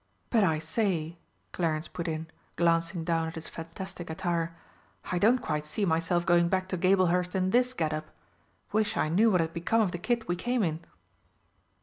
"But I say," Clarence put in, glancing down at his fantastic attire, "I don't quite see myself going back to Gablehurst in this get up. Wish I knew what had become of the kit we came in!"